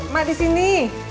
mak di sini